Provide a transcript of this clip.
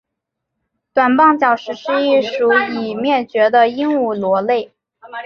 短棒角石是一属已灭绝的鹦鹉螺类。